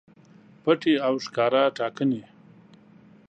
پټې او ښکاره ټاکنې